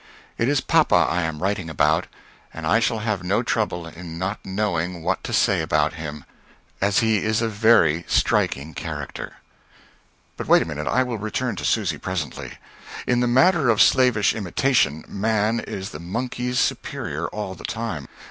It is papa I am writing about, and I shall have no trouble in not knowing what to say about him, as he is a very striking character. But wait a minute I will return to Susy presently. In the matter of slavish imitation, man is the monkey's superior all the time.